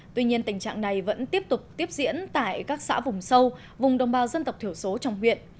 tuy nhiên tình trạng này vẫn tiếp tục tiếp diễn tại các xã vùng sâu vùng đồng bào dân tộc thiểu số trong huyện